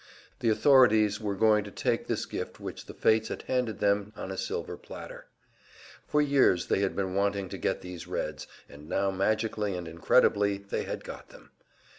The authorities were going to take this gift which the fates had handed to them on a silver platter. For years they had been wanting to get these Reds, and now magically and incredibly, they had got them!